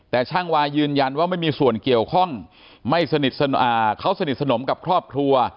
แต่ช่างวายืนยันว่าไม่มีส่วนเกี่ยวข้องไม่สนิทเขาสนิทสนมกับครอบครัว